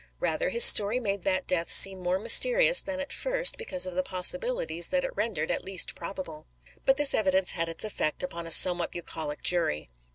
Rather, his story made that death seem more mysterious than at first because of the possibilities that it rendered at least probable. But this evidence had its effect upon a somewhat bucolic jury.